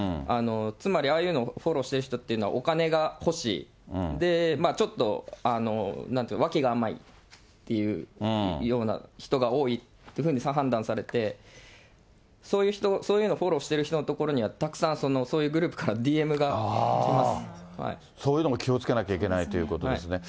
つまりああいうのをフォローしてる人っていうのは、お金が欲しい、で、ちょっとわきが甘いっていうような人が多いっていうふうに判断されて、そういうのをフォローしている人のところにはたくさん、そういうそういうのも気をつけなきゃいけないということですね。